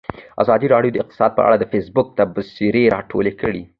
ازادي راډیو د اقتصاد په اړه د فیسبوک تبصرې راټولې کړي.